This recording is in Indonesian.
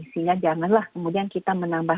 sehingga janganlah kemudian kita menambah